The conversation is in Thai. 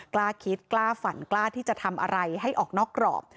กล้าคิดกล้าฝันกล้าที่จะทำอะไรให้ออกนอกกรอบ